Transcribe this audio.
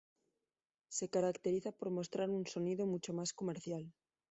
Se caracteriza por mostrar un sonido mucho más comercial.